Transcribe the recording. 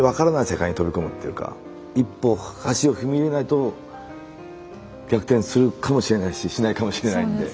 世界に飛び込むっていうか一歩足を踏み入れないと逆転するかもしれないししないかもしれないんで。